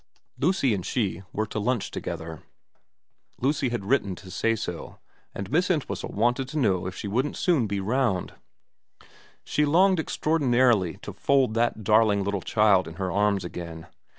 Lucy and she were to 286 VERA lunch together. Lucy had written to say so, and Miss Entwhistle wanted to know if she wouldn't soon be round. She longed extraordinarily to fold that darling little child in her arms again.